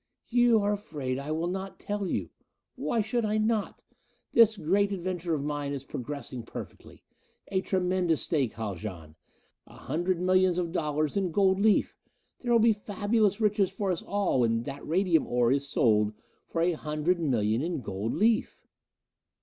"You are afraid I will not tell you! Why should I not? This great adventure of mine is progressing perfectly. A tremendous stake, Haljan. A hundred millions of dollars in gold leaf; there will be fabulous riches for us all, when that radium ore is sold for a hundred million in gold leaf."